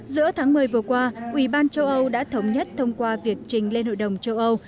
giữa tháng một mươi vừa qua ủy ban châu âu đã thống nhất thông qua việc trình lên hội đồng châu âu